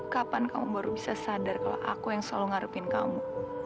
kapan kamu baru bisa sadar kalau aku yang selalu ngarepin kamu